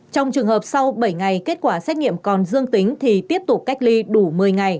trong trường hợp sau bảy ngày kết quả xét nghiệm còn dương tính thì tiếp tục cách ly đủ một mươi ngày